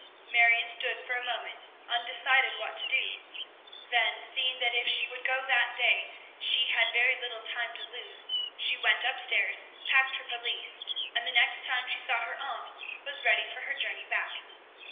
Marion stood for a moment undecided what to do, then, seeing that if she would go that day she had very little time to lose, she went up stairs, packed her valise, and the next time she saw her aunt was ready for her journey back.